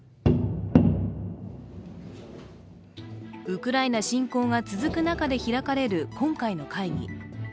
ウクライナ侵攻が続く中で開かれる今回の会議。